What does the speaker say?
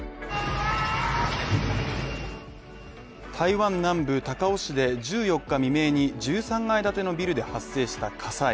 台湾南部高雄市で１４日未明に１３階建てのビルで発生した火災。